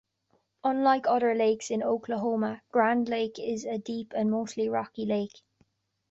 Unlike other lakes in Oklahoma, Grand Lake is a deep and mostly rocky lake.